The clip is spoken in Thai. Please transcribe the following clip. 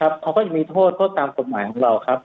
ครับเขาก็จะมีโทษโทษตามควบหมายของเราครับ